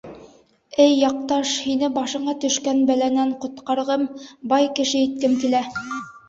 — Эй яҡташ, һине башыңа төшкән бәләнән ҡотҡарғым, бай кеше иткем килә.